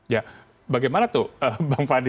ya bagaimana tuh bang fadli